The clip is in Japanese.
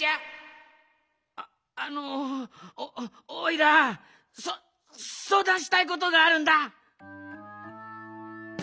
ああのおいらそそうだんしたいことがあるんだ！